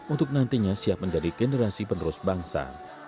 untuk nantinya siap menjadi generasi penerus bangsa